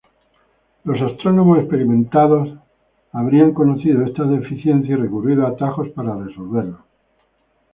Los astrónomos experimentados habrían conocido estas deficiencias y recurrido a atajos para resolverlos.